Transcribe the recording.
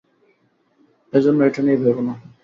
এজন্য এটা নিয়ে ভেবো না।